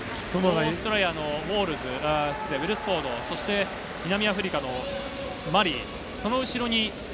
オーストラリアのウェルスフォード、そして南アフリカのマリー。